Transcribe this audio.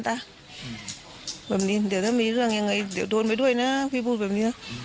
แบบนี้เดี๋ยวถ้ามีเรื่องยังไงเดี๋ยวโดนไปด้วยนะพี่พูดแบบนี้นะ